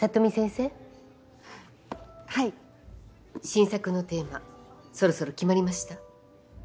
新作のテーマそろそろ決まりました？